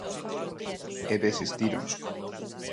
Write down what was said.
E desistiron.